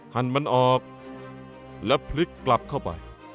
หันมันออกแล้วพลิกกลับเข้าไป